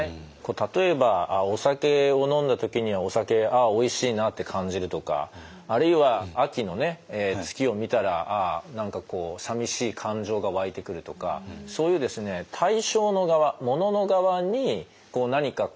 例えばお酒を飲んだ時にはお酒ああおいしいなって感じるとかあるいは秋の月を見たらああ何かこうさみしい感情が湧いてくるとかそういうですねなるほど。